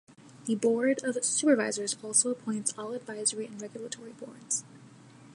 The Board of Supervisors also appoints all advisory and regulatory boards.